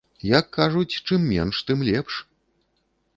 Як кажуць, чым менш, тым лепш!